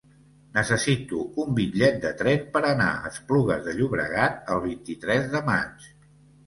Necessito un bitllet de tren per anar a Esplugues de Llobregat el vint-i-tres de maig.